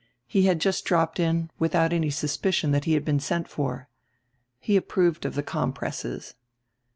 He had just dropped in, with out any suspicion that he had been sent for. He approved of the compresses.